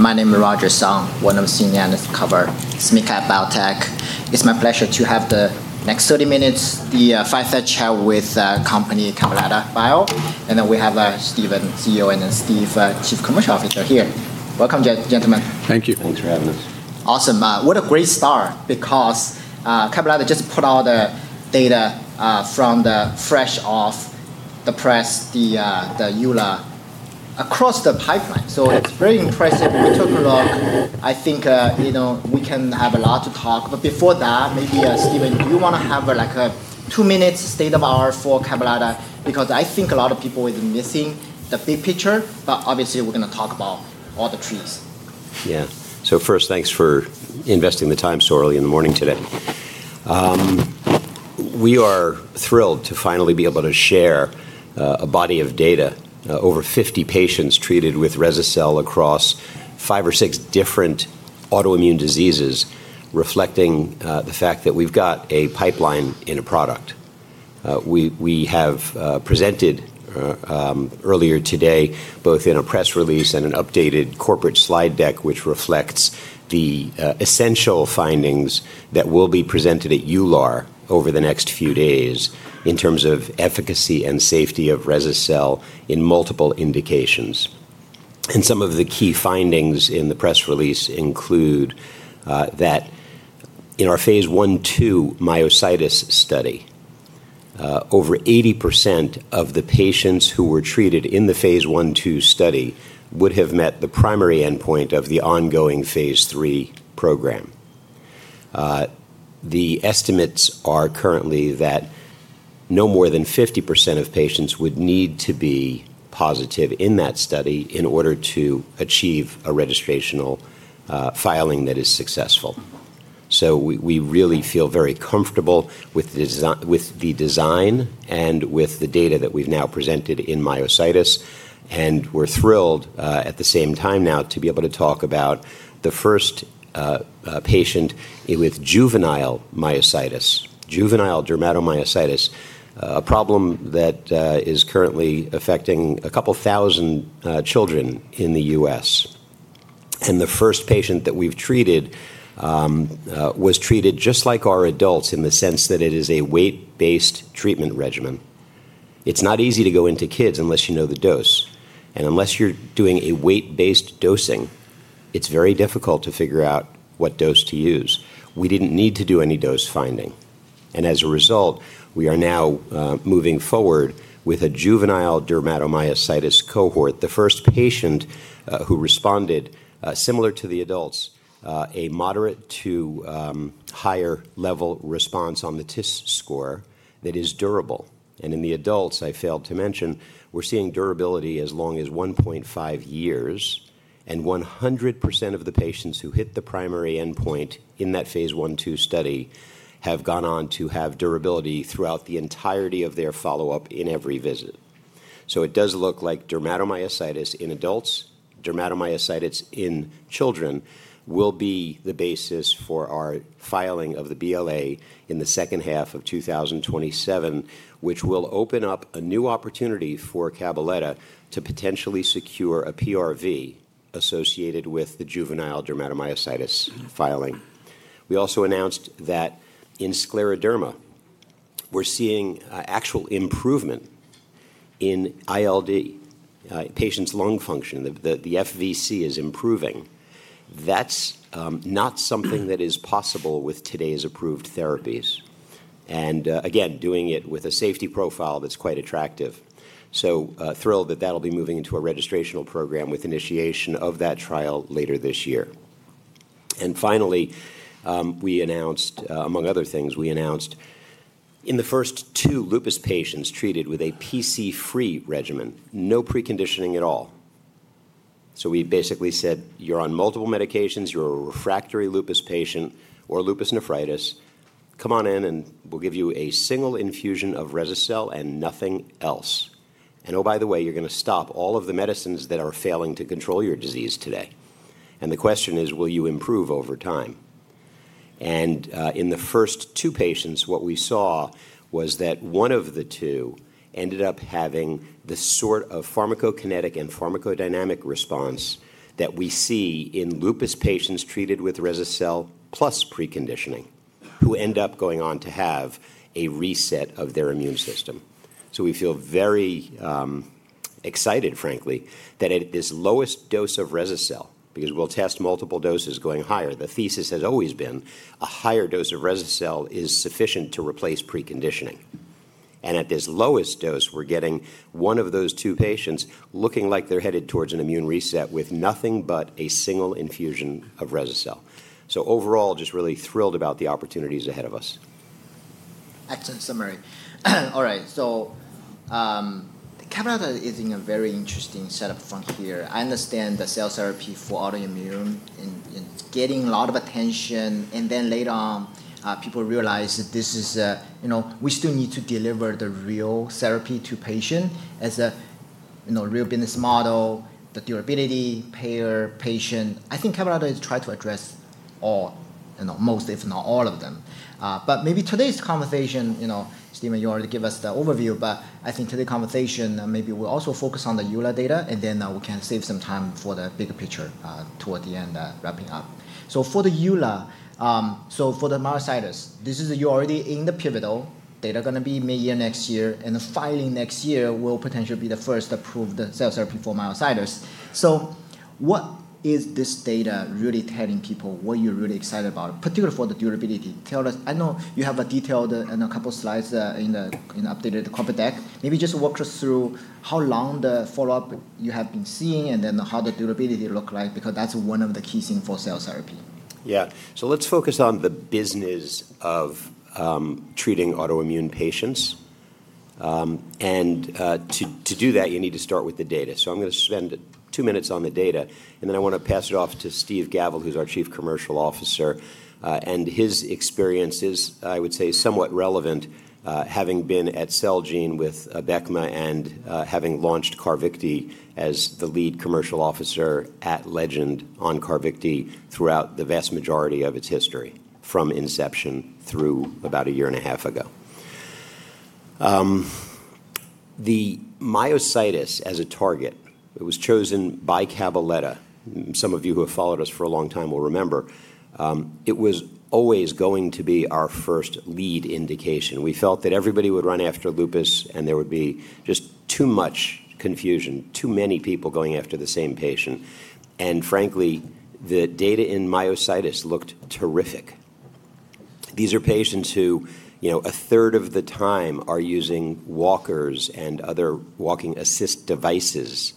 My name is Roger Song, one of the senior analysts cover small-cap biotech. It's my pleasure to have the next 30 minutes, the fireside chat with company Cabaletta Bio, and then we have Steven, CEO, and then Steve, Chief Commercial Officer here. Welcome, gentlemen. Thank you. Thanks for having us. Awesome. What a great start because Cabaletta just put out the data from the fresh off the press, the EULAR across the pipeline. It's very impressive. We took a look. I think we can have a lot to talk, but before that, maybe, Steven, do you want to have a two-minute state of our for Cabaletta? Because I think a lot of people have been missing the big picture, but obviously, we're going to talk about all the trees. Yeah. First, thanks for investing the time so early in the morning today. We are thrilled to finally be able to share a body of data, over 50 patients treated with rese-cel across five or six different autoimmune diseases, reflecting the fact that we've got a pipeline and a product. We have presented earlier today, both in a press release and an updated corporate slide deck, which reflects the essential findings that will be presented at EULAR over the next few days in terms of efficacy and safety of rese-cel in multiple indications. Some of the key findings in the press release include that in our phase I/II myositis study, over 80% of the patients who were treated in the phase I/II study would have met the primary endpoint of the ongoing phase III program. The estimates are currently that no more than 50% of patients would need to be positive in that study in order to achieve a registrational filing that is successful. We really feel very comfortable with the design and with the data that we've now presented in myositis, and we're thrilled at the same time now, to be able to talk about the first patient with juvenile myositis, Juvenile Dermatomyositis, a problem that is currently affecting a couple of thousand children in the U.S. The first patient that we've treated was treated just like our adults in the sense that it is a weight-based treatment regimen. It's not easy to go into kids unless you know the dose, and unless you're doing a weight-based dosing, it's very difficult to figure out what dose to use. We didn't need to do any dose finding. As a result, we are now moving forward with a Juvenile Dermatomyositis cohort. The first patient who responded, similar to the adults, a moderate to higher level response on the TIS score that is durable. In the adults, I failed to mention, we're seeing durability as long as 1.5 years. 100% of the patients who hit the primary endpoint in that phase I/II study have gone on to have durability throughout the entirety of their follow-up in every visit. It does look like dermatomyositis in adults, dermatomyositis in children, will be the basis for our filing of the BLA in the second half of 2027, which will open up a new opportunity for Cabaletta to potentially secure a PRV associated with the Juvenile Dermatomyositis filing. We also announced that in scleroderma, we're seeing actual improvement in ILD, patient's lung function. The FVC is improving. That's not something that is possible with today's approved therapies, doing it with a safety profile that's quite attractive. Thrilled that that'll be moving into a registrational program with initiation of that trial later this year. Finally, among other things, we announced in the first two lupus patients treated with a PC-free regimen, no preconditioning at all. We basically said, you're on multiple medications. You're a refractory lupus patient or lupus nephritis. Come on in, and we'll give you a single infusion of rese-cel and nothing else. Oh, by the way, you're going to stop all of the medicines that are failing to control your disease today. The question is, will you improve over time? In the first two patients, what we saw was that one of the two ended up having the sort of Pharmacokinetic and Pharmacodynamic response that we see in lupus patients treated with rese-cel plus preconditioning, who end up going on to have a reset of their immune system. We feel very excited, frankly, that at this lowest dose of rese-cel, because we'll test multiple doses going higher, the thesis has always been a higher dose of rese-cel is sufficient to replace preconditioning. At this lowest dose, we're getting one of those two patients looking like they're headed towards an immune reset with nothing but a single infusion of rese-cel. Overall, just really thrilled about the opportunities ahead of us. Excellent summary. All right. Cabaletta Bio is in a very interesting setup front here. I understand the cell therapy for autoimmune and getting a lot of attention, and then later on, people realize that we still need to deliver the real therapy to patient as a real business model, the durability, payer, patient. I think Cabaletta Bio has tried to address all, most, if not all of them. Maybe today's conversation, Steven, you already give us the overview, but I think today conversation maybe we'll also focus on the EULAR data, and then we can save some time for the bigger picture toward the end, wrapping up. For the EULAR, so for the myositis, this is you're already in the pivotal. Data going to be mid-year next year, and the filing next year will potentially be the first approved cell therapy for myositis. What is this data really telling people? What you're really excited about, particularly for the durability? Tell us, I know you have a detailed in a couple slides in updated corporate deck. Maybe just walk us through how long the follow-up you have been seeing and then how the durability look like, because that's one of the key thing for cell therapy. Yeah. Let's focus on the business of treating autoimmune patients. To do that, you need to start with the data. I'm going to spend two minutes on the data, and then I want to pass it off to Steve Gavel, who's our Chief Commercial Officer. His experience is, I would say, somewhat relevant, having been at Celgene with Abecma and having launched CARVYKTI as the Lead Commercial Officer at Legend on CARVYKTI throughout the vast majority of its history, from inception through about a year and a half ago. The myositis as a target, it was chosen by Cabaletta. Some of you who have followed us for a long time will remember. It was always going to be our first lead indication. We felt that everybody would run after lupus and there would be just too much confusion, too many people going after the same patient. Frankly, the data in myositis looked terrific. These are patients who a third of the time are using walkers and other walking assist devices.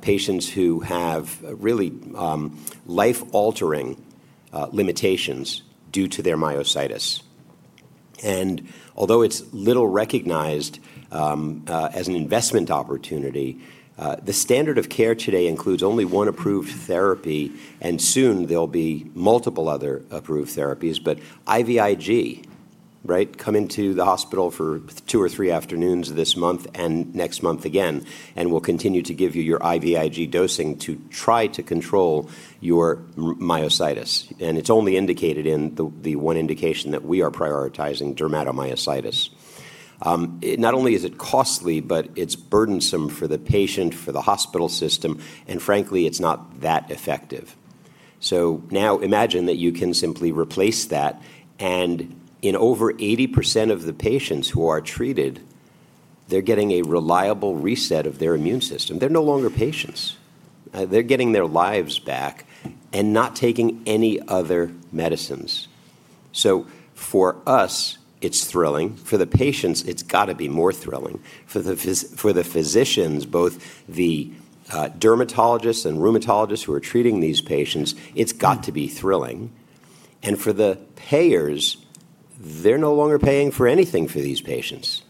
Patients who have really life-altering limitations due to their myositis. Although it's little recognized as an investment opportunity, the standard of care today includes only one approved therapy, and soon there'll be multiple other approved therapies. IVIG, come into the hospital for two or three afternoons this month and next month again, and we'll continue to give you your IVIG dosing to try to control your myositis. It's only indicated in the one indication that we are prioritizing dermatomyositis. Not only is it costly, but it's burdensome for the patient, for the hospital system, and frankly, it's not that effective. Now imagine that you can simply replace that, and in over 80% of the patients who are treated, they're getting a reliable reset of their immune system. They're no longer patients. They're getting their lives back and not taking any other medicines. For us, it's thrilling. For the patients, it's got to be more thrilling. For the physicians, both the dermatologists and rheumatologists who are treating these patients, it's got to be thrilling. For the payers, they're no longer paying for anything for these patients.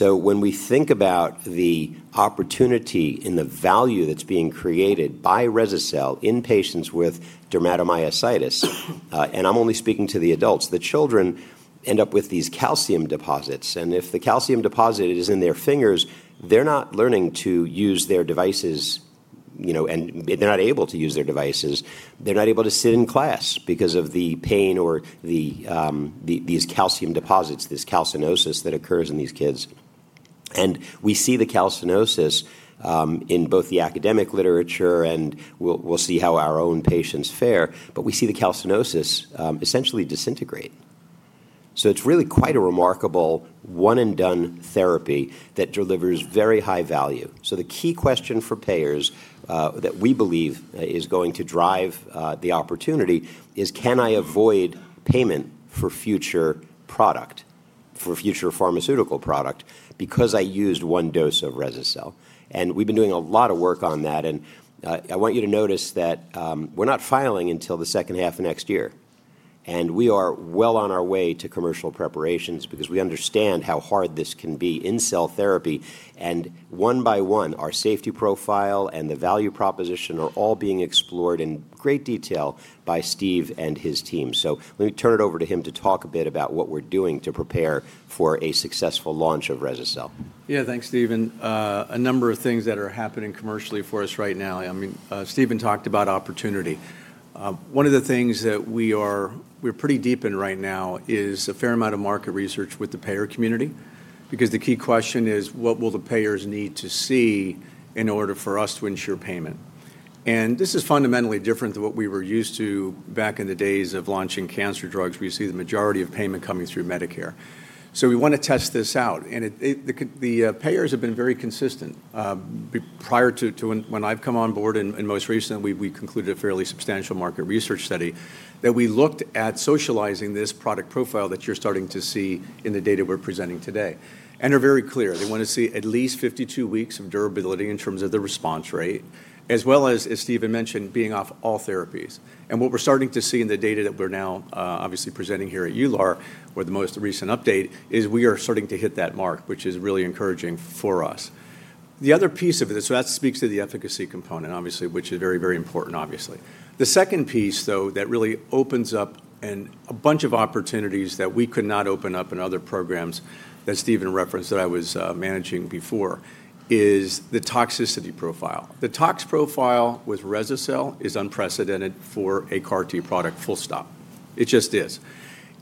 When we think about the opportunity and the value that's being created by rese-cel in patients with dermatomyositis, and I'm only speaking to the adults, the children end up with these calcium deposits, and if the calcium deposit is in their fingers, they're not learning to use their devices, and they're not able to use their devices. They're not able to sit in class because of the pain or these calcium deposits, this calcinosis that occurs in these kids. We see the calcinosis in both the academic literature and we'll see how our own patients fare, but we see the calcinosis essentially disintegrate. It's really quite a remarkable one and done therapy that delivers very high value. The key question for payers, that we believe is going to drive the opportunity is can I avoid payment for future product, for future pharmaceutical product because I used one dose of rese-cel? We've been doing a lot of work on that and I want you to notice that we're not filing until the second half of next year. We are well on our way to commercial preparations because we understand how hard this can be in cell therapy, and one by one, our safety profile and the value proposition are all being explored in great detail by Steve and his team. Let me turn it over to him to talk a bit about what we're doing to prepare for a successful launch of rese-cel. Yeah, thanks, Steven. A number of things that are happening commercially for us right now. Steven talked about opportunity. One of the things that we're pretty deep in right now is a fair amount of market research with the payer community because the key question is what will the payers need to see in order for us to ensure payment? This is fundamentally different than what we were used to back in the days of launching cancer drugs. We see the majority of payment coming through Medicare. We want to test this out, and the payers have been very consistent. Prior to when I've come on board, and most recently, we concluded a fairly substantial market research study that we looked at socializing this product profile that you're starting to see in the data we're presenting today and are very clear. They want to see at least 52 weeks of durability in terms of the response rate, as well as Steven mentioned, being off all therapies. What we're starting to see in the data that we're now obviously presenting here at EULAR or the most recent update, is we are starting to hit that mark, which is really encouraging for us. The other piece of it, so that speaks to the efficacy component, obviously, which is very, very important, obviously. The second piece, though, that really opens up and a bunch of opportunities that we could not open up in other programs that Steven referenced that I was managing before, is the toxicity profile. The tox profile with rese-cel is unprecedented for a CAR T product. Full stop. It just is.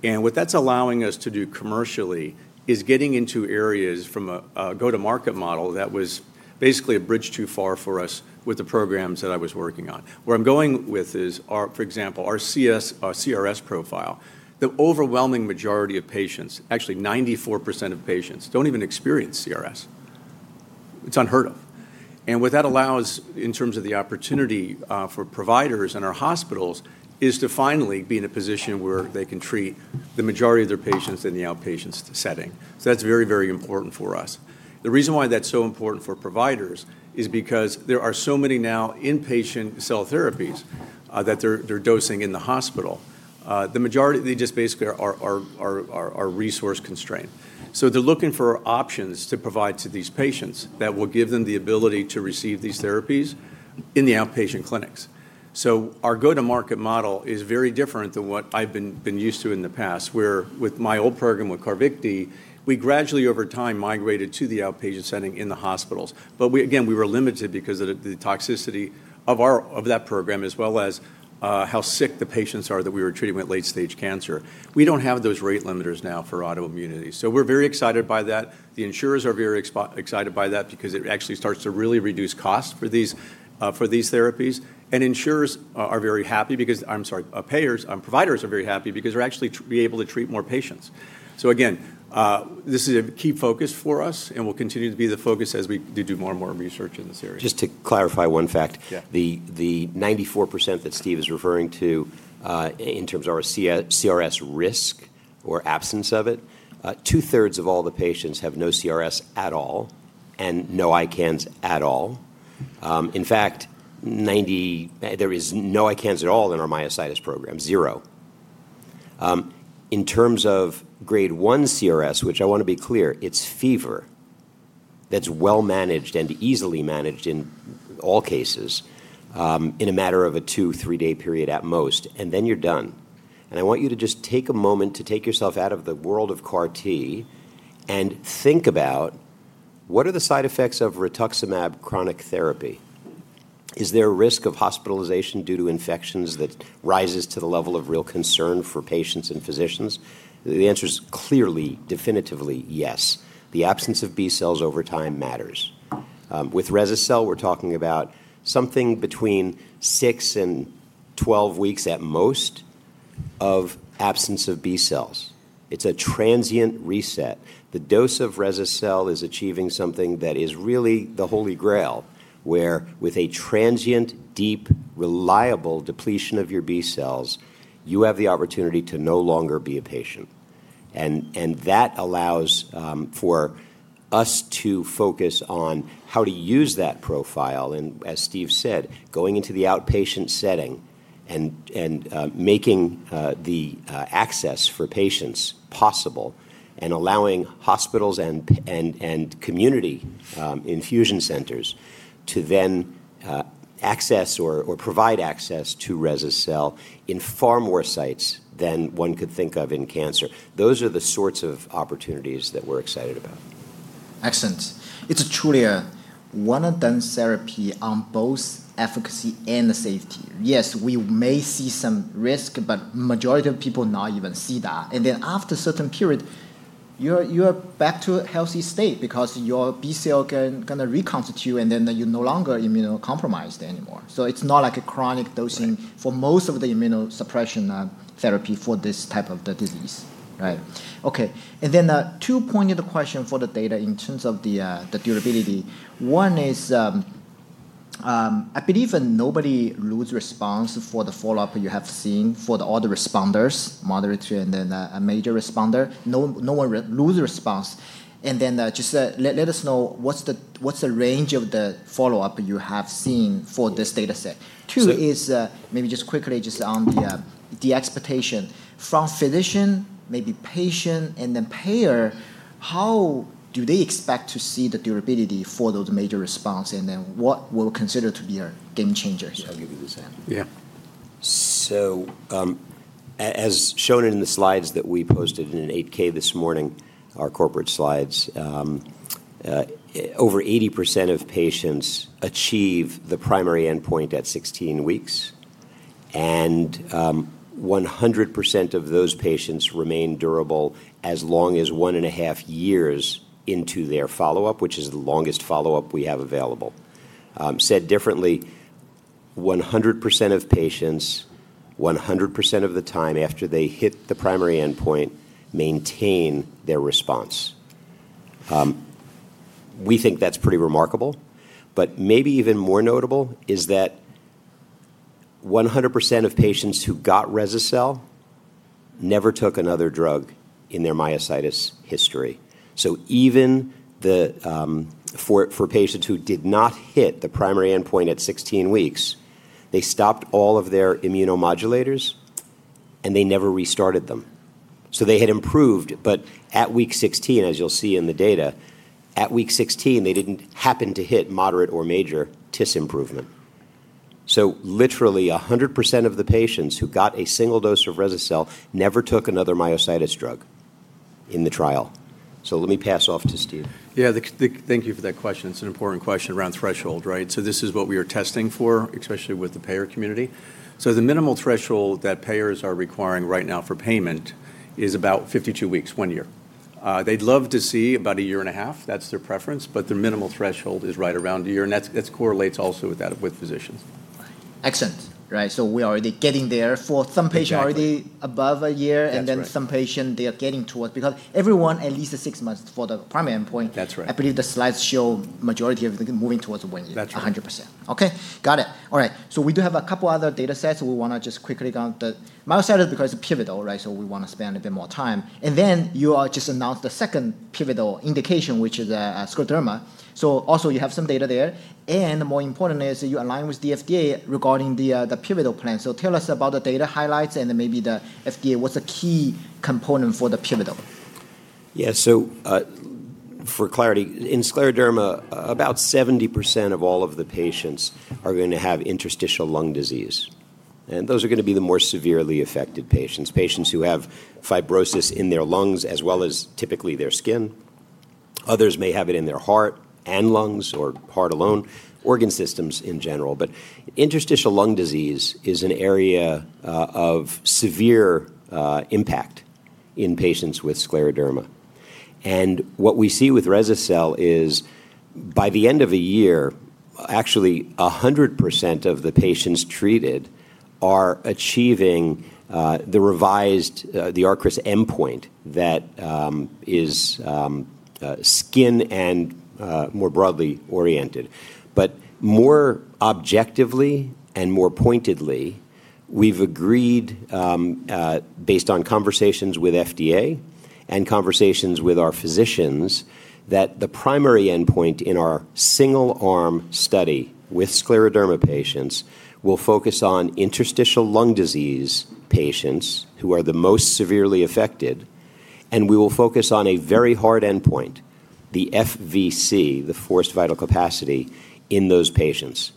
What that's allowing us to do commercially is getting into areas from a go-to-market model that was basically a bridge too far for us with the programs that I was working on. Where I'm going with is, for example, our CRS profile. The overwhelming majority of patients, actually 94% of patients, don't even experience CRS. It's unheard of. What that allows in terms of the opportunity for providers and our hospitals is to finally be in a position where they can treat the majority of their patients in the outpatient setting. That's very important for us. The reason why that's so important for providers is because there are so many now inpatient cell therapies that they're dosing in the hospital. The majority, they just basically are resource constrained. They're looking for options to provide to these patients that will give them the ability to receive these therapies in the outpatient clinics. Our go-to-market model is very different than what I've been used to in the past, where with my old program with CARVYKTI, we gradually over time migrated to the outpatient setting in the hospitals. Again, we were limited because of the toxicity of that program as well as how sick the patients are that we were treating with late-stage cancer. We don't have those rate limiters now for autoimmunity. We're very excited by that. The insurers are very excited by that because it actually starts to really reduce costs for these therapies. Providers are very happy because they're actually able to treat more patients. Again, this is a key focus for us and will continue to be the focus as we do more and more research in this area. Just to clarify one fact. Yeah. The 94% that Steve is referring to, in terms of our CRS risk or absence of it, two-thirds of all the patients have no CRS at all and no ICANS at all. In fact, there is no ICANS at all in our myositis program, zero. In terms of Grade 1 CRS, which I want to be clear, it's fever that's well managed and easily managed in all cases, in a matter of a two, three-day period at most. Then you're done. I want you to just take a moment to take yourself out of the world of CAR T and think about what are the side effects of rituximab chronic therapy? Is there a risk of hospitalization due to infections that rises to the level of real concern for patients and physicians? The answer is clearly, definitively, yes. The absence of B cells over time matters. With rese-cel, we're talking about something between six and 12 weeks at most of absence of B cells. It's a transient Reset. The dose of rese-cel is achieving something that is really the holy grail, where with a transient, deep, reliable depletion of your B cells, you have the opportunity to no longer be a patient. That allows for us to focus on how to use that profile and, as Steve said, going into the outpatient setting and making the access for patients possible, and allowing hospitals and community infusion centers to then access or provide access to rese-cel in far more sites than one could think of in cancer. Those are the sorts of opportunities that we're excited about. Excellent. It's truly a one-and-done therapy on both efficacy and safety. Yes, we may see some risk, but majority of people not even see that. After a certain period, you're back to a healthy state because your B cell can reconstitute, you're no longer immunocompromised anymore. It's not like a chronic dosing for most of the immunosuppression therapy for this type of the disease. Right. Two-pointed question for the data in terms of the durability. One is, I believe nobody lose response for the follow-up you have seen for the all the responders, moderate and then a major responder. No one lose response. Just let us know what's the range of the follow-up you have seen for this data set? Two is, maybe just quickly, just on the expectation. From physician, maybe patient, and then payer, how do they expect to see the durability for those major response, and then what will consider to be a game changer? I'll give you this, Steven. Yeah. As shown in the slides that we posted in an 8-K this morning, our corporate slides, over 80% of patients achieve the primary endpoint at 16 weeks. 100% of those patients remain durable as long as 1.5 years into their follow-up, which is the longest follow-up we have available. Said differently, 100% of patients 100% of the time after they hit the primary endpoint maintain their response. We think that's pretty remarkable, but maybe even more notable is that 100% of patients who got rese-cel never took another drug in their myositis history. Even for patients who did not hit the primary endpoint at 16 weeks, they stopped all of their immunomodulators, and they never restarted them. They had improved, but at week 16, as you'll see in the data, at week 16, they didn't happen to hit moderate or major TIS improvement. Literally, 100% of the patients who got a single dose of rese-cel never took another myositis drug in the trial. Let me pass off to Steve. Yeah. Thank you for that question. It's an important question around threshold, right? This is what we are testing for, especially with the payer community. The minimal threshold that payers are requiring right now for payment is about 52 weeks, one year. They'd love to see about a year and a half. That's their preference, but their minimal threshold is right around a year and that correlates also with physicians. Excellent. We are already getting there. Exactly. Already above a year. That's right. Some patients, they are getting towards because everyone at least six months for the primary endpoint. That's right. I believe the slides show majority of them moving towards one year. That's right. 100%. Okay. Got it. All right. We do have a couple other data sets we want to just quickly go on. The [Pemphigus Vulgaris] side is because it's pivotal, we want to spend a bit more time. You just announced the second pivotal indication, which is scleroderma. Also you have some data there. More important is that you align with the FDA regarding the pivotal plan. Tell us about the data highlights and maybe the FDA. What's a key component for the pivotal? Yeah, for clarity, in scleroderma, about 70% of all of the patients are going to have interstitial lung disease, and those are going to be the more severely affected patients who have fibrosis in their lungs as well as typically their skin. Others may have it in their heart and lungs or heart alone, organ systems in general. Interstitial lung disease is an area of severe impact in patients with scleroderma. What we see with rese-cel is, by the end of a year, actually 100% of the patients treated are achieving the revised the ACR-CRISS endpoint that is skin and more broadly oriented. More objectively and more pointedly, we've agreed, based on conversations with FDA and conversations with our physicians, that the primary endpoint in our single-arm study with scleroderma patients will focus on interstitial lung disease patients who are the most severely affected, and we will focus on a very hard endpoint, the FVC, the Forced Vital Capacity, in those patients.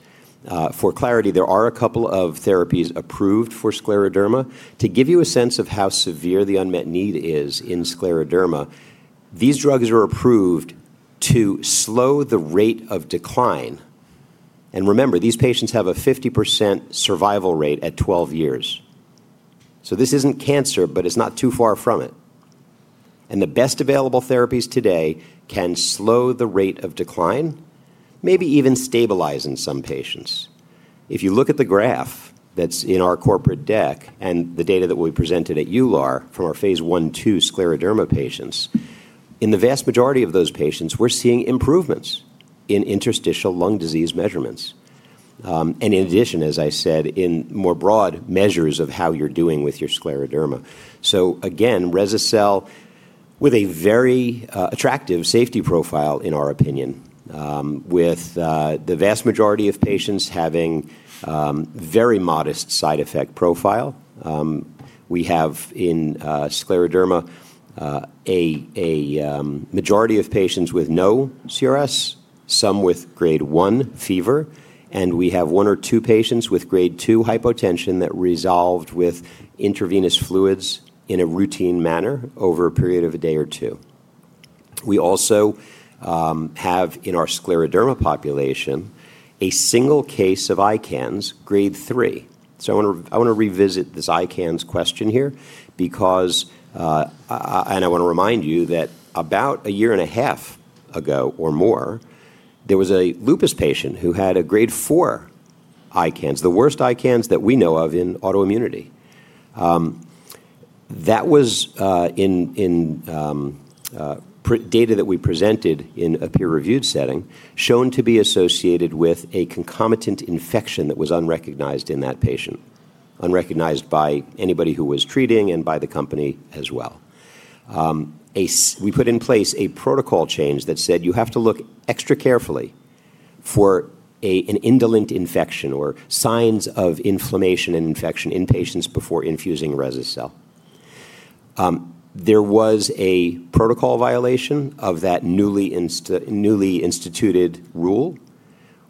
For clarity, there are a couple of therapies approved for scleroderma. To give you a sense of how severe the unmet need is in scleroderma, these drugs are approved to slow the rate of decline. Remember, these patients have a 50% survival rate at 12 years. This isn't cancer, but it's not too far from it. The best available therapies today can slow the rate of decline, maybe even stabilize in some patients. If you look at the graph that's in our corporate deck and the data that we presented at EULAR from our phase I/II scleroderma patients, in the vast majority of those patients, we're seeing improvements in interstitial lung disease measurements. In addition, as I said, in more broad measures of how you're doing with your scleroderma. Again, rese-cel with a very attractive safety profile, in our opinion, with the vast majority of patients having very modest side effect profile. We have in scleroderma, a majority of patients with no CRS, some with Grade 1 fever, and we have one or two patients with Grade 2 hypotension that resolved with intravenous fluids in a routine manner over a period of a day or two. We also have in our scleroderma population, a single case of ICANS Grade 3. I want to revisit this ICANS question here. I want to remind you that about a year and a half ago or more, there was a lupus patient who had a Grade 4 ICANS, the worst ICANS that we know of in autoimmunity. That was in data that we presented in a peer-reviewed setting, shown to be associated with a concomitant infection that was unrecognized in that patient, unrecognized by anybody who was treating and by the company as well. We put in place a protocol change that said you have to look extra carefully for an indolent infection or signs of inflammation and infection in patients before infusing rese-cel. There was a protocol violation of that newly instituted rule.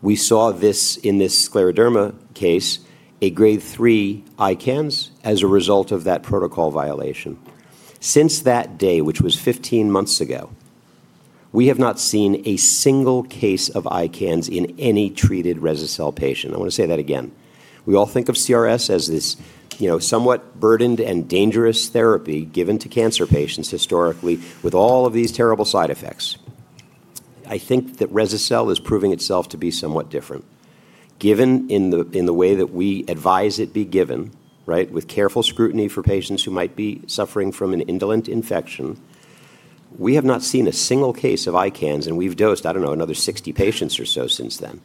We saw this in this scleroderma case, a Grade 3 ICANS as a result of that protocol violation. Since that day, which was 15 months ago, we have not seen a single case of ICANS in any treated rese-cel patient. I want to say that again. We all think of CRS as this somewhat burdened and dangerous therapy given to cancer patients historically with all of these terrible side effects. I think that rese-cel is proving itself to be somewhat different. Given in the way that we advise it be given with careful scrutiny for patients who might be suffering from an indolent infection, we have not seen a single case of ICANS, and we've dosed, I don't know, another 60 patients or so since then.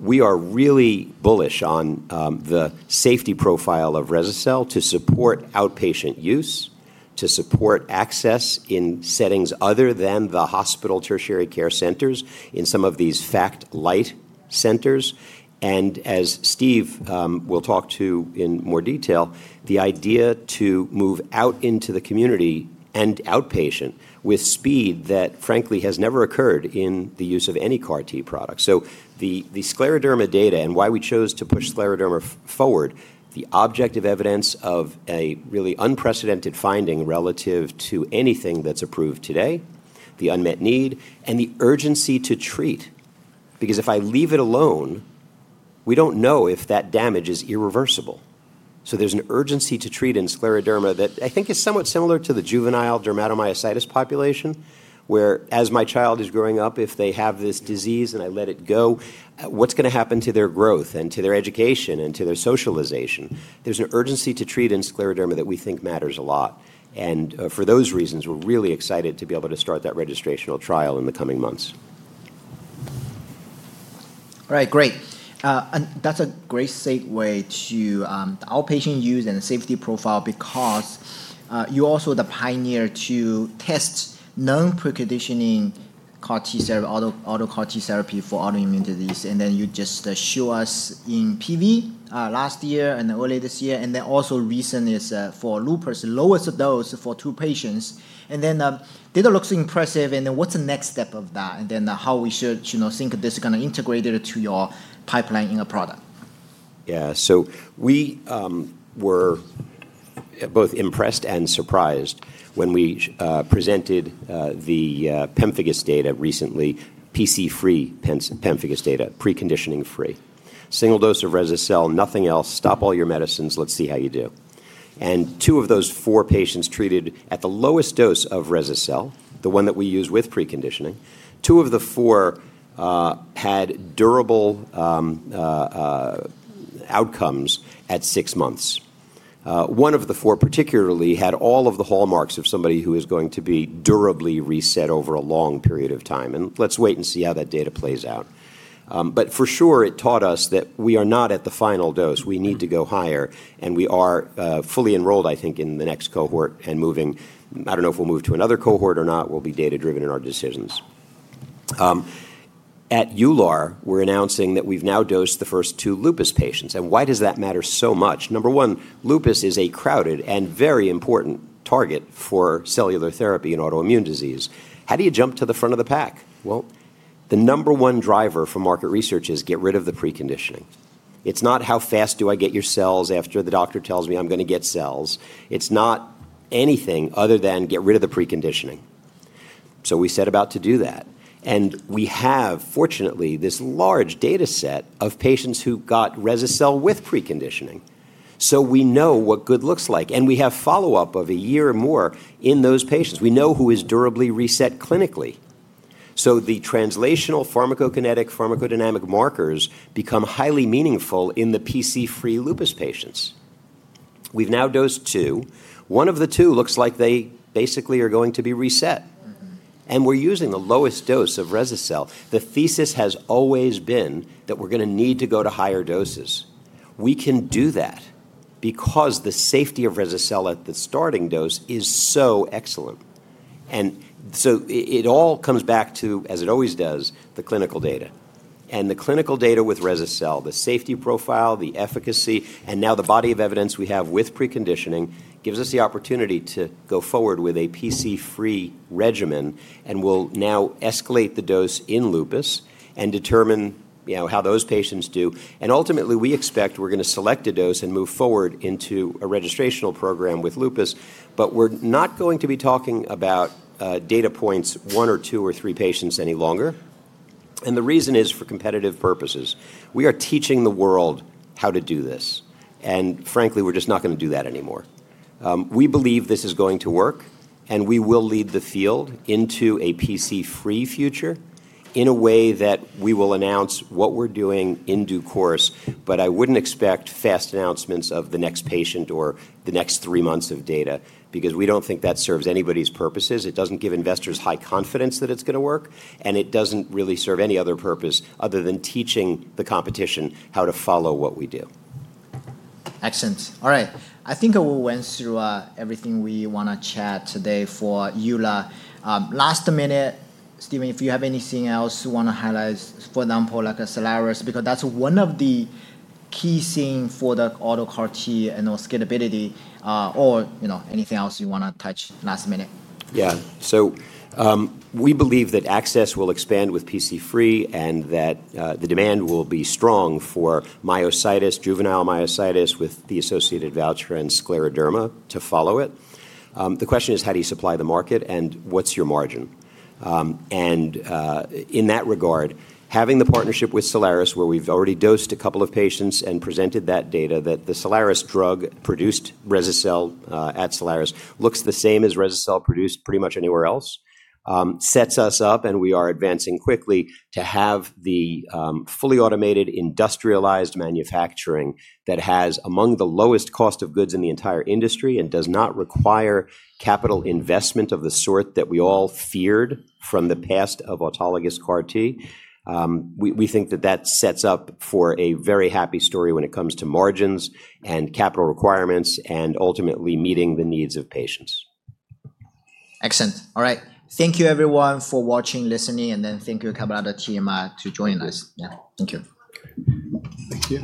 We are really bullish on the safety profile of rese-cel to support outpatient use, to support access in settings other than the hospital tertiary care centers in some of these FACT-lite centers. As Steve will talk to in more detail, the idea to move out into the community and outpatient with speed that frankly has never occurred in the use of any CAR T product. The scleroderma data and why we chose to push scleroderma forward, the objective evidence of a really unprecedented finding relative to anything that's approved today, the unmet need, and the urgency to treat because if I leave it alone, we don't know if that damage is irreversible. There's an urgency to treat in scleroderma that I think is somewhat similar to the Juvenile Dermatomyositis population, where as my child is growing up, if they have this disease and I let it go, what's going to happen to their growth and to their education and to their socialization? There's an urgency to treat in scleroderma that we think matters a lot. For those reasons, we're really excited to be able to start that registrational trial in the coming months. All right, great. That's a great segue to the outpatient use and safety profile because you're also the pioneer to test non-preconditioning CAR T-cell, auto CAR T-therapy for autoimmune disease. You just show us in PV last year and early this year, also recent is for lupus, lowest dose for two patients. The data looks impressive, what's the next step of that? How we should think this integrated to your pipeline in a product. Yeah. We were both impressed and surprised when we presented the pemphigus data recently, PC-free pemphigus data, preconditioning-free. Single dose of rese-cel, nothing else, stop all your medicines, let's see how you do. Two of those four patients treated at the lowest dose of rese-cel, the one that we use with preconditioning, two of the four had durable outcomes at six months. One of the four particularly had all of the hallmarks of somebody who is going to be durably reset over a long period of time, and let's wait and see how that data plays out. For sure it taught us that we are not at the final dose. We need to go higher and we are fully enrolled, I think, in the next cohort and moving. I don't know if we'll move to another cohort or not. We'll be data-driven in our decisions. At EULAR, we're announcing that we've now dosed the first two lupus patients. Why does that matter so much? Number one, lupus is a crowded and very important target for cellular therapy in autoimmune disease. How do you jump to the front of the pack? Well, the number one driver for market research is get rid of the preconditioning. It's not how fast do I get your cells after the doctor tells me I'm going to get cells. It's not anything other than get rid of the preconditioning. We set about to do that, and we have, fortunately, this large data set of patients who got rese-cel with preconditioning, so we know what good looks like, and we have follow-up of a year or more in those patients. We know who is durably reset clinically. The translational pharmacokinetic pharmacodynamic markers become highly meaningful in the PC-free lupus patients. We've now dosed two. One of the two looks like they basically are going to be rese-cel. We're using the lowest dose of rese-cel. The thesis has always been that we're going to need to go to higher doses. We can do that because the safety of rese-cel at the starting dose is so excellent. It all comes back to, as it always does, the clinical data. The clinical data with rese-cel, the safety profile, the efficacy, and now the body of evidence we have with preconditioning gives us the opportunity to go forward with a PC-free regimen and we'll now escalate the dose in lupus and determine how those patients do. Ultimately we expect we're going to select a dose and move forward into a registrational program with lupus, but we're not going to be talking about data points, one or two or three patients any longer. The reason is for competitive purposes. We are teaching the world how to do this, frankly, we're just not going to do that anymore. We believe this is going to work, we will lead the field into a PC-free future in a way that we will announce what we're doing in due course, I wouldn't expect fast announcements of the next patient or the next three months of data because we don't think that serves anybody's purposes. It doesn't give investors high confidence that it's going to work, it doesn't really serve any other purpose other than teaching the competition how to follow what we do. Excellent. All right. I think we went through everything we want to chat today for EULAR. Last minute, Steven, if you have anything else you want to highlight, for example, like a Cellares, because that's one of the key thing for the auto CAR T and scalability, or anything else you want to touch last minute? Yeah. We believe that access will expand with PC-free and that the demand will be strong for myositis, juvenile myositis with the associated voucher and scleroderma to follow it. The question is how do you supply the market and what's your margin? In that regard, having the partnership with Cellares where we've already dosed a couple of patients and presented that data, that the Cellares drug produced rese-cel, at Cellares looks the same as rese-cel produced pretty much anywhere else, sets us up and we are advancing quickly to have the fully automated industrialized manufacturing that has among the lowest cost of goods in the entire industry and does not require capital investment of the sort that we all feared from the past of autologous CAR T. We think that that sets up for a very happy story when it comes to margins and capital requirements and ultimately meeting the needs of patients. Excellent. All right. Thank you everyone for watching, listening, and then thank you Cabaletta team to join us. Yeah. Thank you. Okay. Thank you.